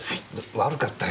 悪かったよ。